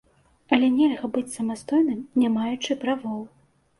Але нельга быць самастойным, не маючы правоў.